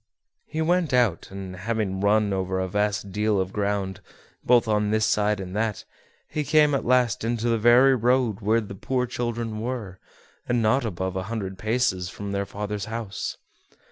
He went out, and, having run over a vast deal of ground, both on this side and that, he came at last into the very road where the poor children were, and not above a hundred paces from their father's house.